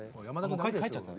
帰っちゃった？